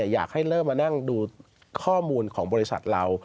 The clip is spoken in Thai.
อยากให้เริ่มมานั่งดูข้อมูลของบริษัทเรา